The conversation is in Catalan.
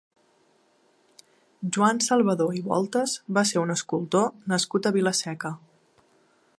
Joan Salvadó i Voltas va ser un escultor nascut a Vila-seca.